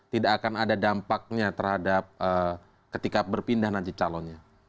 tidak akan ada dampaknya terhadap ketika berpindah nanti calonnya